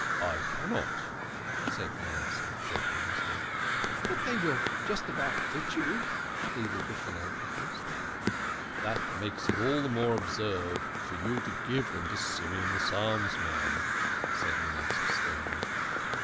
I cannot,' 1 said Manasseh, shaking his head. " But they will just about fit you," pleaded the philan thropist. " That makes it all the more absurd for you to give them to Simeon the Psalms man," said Manasseh sternly.